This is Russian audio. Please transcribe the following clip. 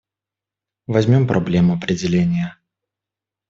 Возьмем проблему определения.